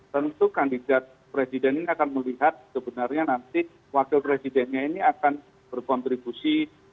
tentu kandidat presiden ini akan melihat sebenarnya nanti wakil presidennya ini akan berkontribusi